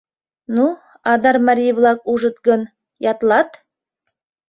Ну, Адар марий-влак ужыт гын, ятлат!